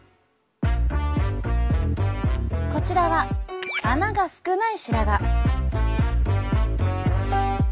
こちらは穴が少ない白髪。